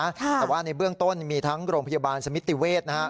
แต่ว่าในเบื้องต้นมีทั้งโรงพยาบาลสมิติเวศ